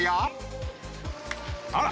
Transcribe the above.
あら！